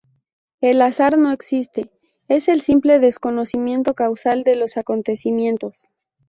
El azar no existe; es el simple desconocimiento causal de los acontecimientos.